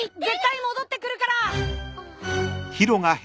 絶対戻ってくるから！